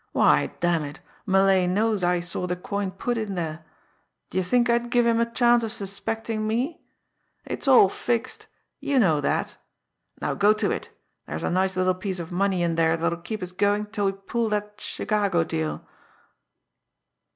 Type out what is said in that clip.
Why, damn it, Malay knows I saw the coin put in there. D'ye think I'd give him a chance of suspecting me! It's all fixed you know that. Now, go to it there's a nice little piece of money in there that'll keep us going till we pull that Chicago deal."